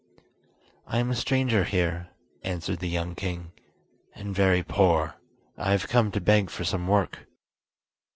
"I am a stranger here," answered the young king, "and very poor. I have come to beg for some work."